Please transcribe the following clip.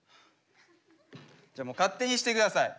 じゃあもう勝手にしてください。